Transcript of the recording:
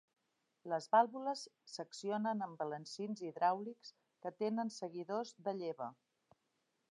Les vàlvules s'accionen amb balancins hidràulics que tenen seguidors de lleva.